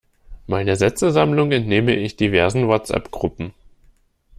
Meine Sätzesammlung entnehme ich diversen Whatsappgruppen.